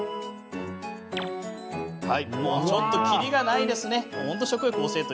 ちょっと、きりがないですね。